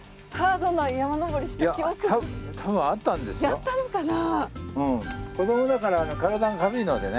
やったのかなあ。